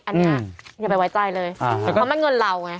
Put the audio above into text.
อันนี้อย่าไปไว้ใจเลยความแม่งงานเราเนี่ย